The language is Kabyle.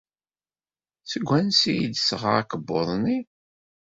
Seg wansi ay d-tesɣa akebbuḍ-nni?